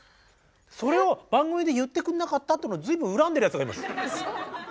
それを番組で言ってくんなかったっていうのを随分恨んでるやつがいます。